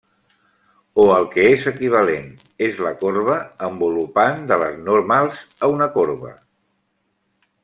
O el que és equivalent, és la corba envolupant de les normals a una corba.